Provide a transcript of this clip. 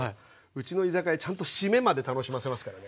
うちの居酒屋ちゃんと締めまで楽しませますからね。